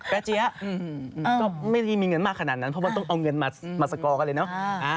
เจ๊เจี๊ยก็ไม่ได้มีเงินมากขนาดนั้นเพราะว่าต้องเอาเงินมาสกอร์กันเลยเนอะ